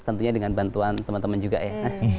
tentunya dengan bantuan teman teman juga ya